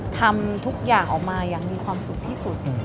ทำทุกอย่างออกมาอย่างมีความสุขที่สุด